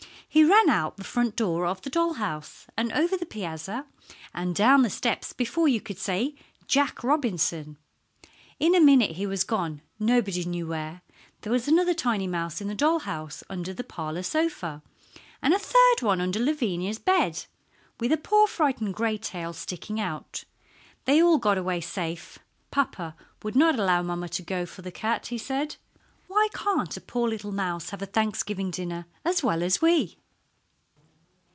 He ran out the front door of the doll house, and over the piazza, and down the steps before you could say "Jack Robinson." In a minute he was gone nobody knew where. There was another tiny mouse in the doll house under the parlour sofa, and a third one under Lavinia's bed, with a poor, frightened gray tail sticking out. They all got away safe. Papa would not allow mamma to go for the cat. He said: "Why can't a poor little mouse have a Thanksgiving dinner as well as we?"